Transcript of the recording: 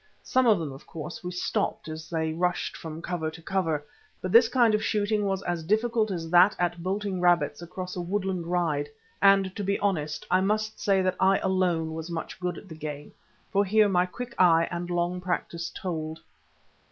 Some of them, of course, we stopped as they rushed from cover to cover, but this kind of shooting was as difficult as that at bolting rabbits across a woodland ride, and to be honest, I must say that I alone was much good at the game, for here my quick eye and long practice told.